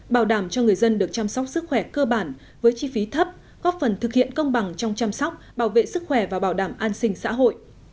bảo đảm cho người dân được chăm sóc sức khỏe cơ bản với chi phí thấp góp phần thực hiện công bằng trong chăm sóc bảo vệ sức khỏe và bảo đảm an sinh xã hội